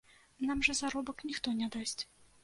Нам жа заробак ніхто не дасць.